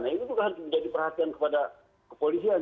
nah ini juga harus menjadi perhatian kepada kepolisian